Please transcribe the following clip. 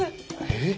えっ。